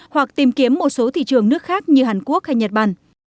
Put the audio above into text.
hoặc tìm kiếm một số thị trường nước khác như hàn quốc hay nhật bản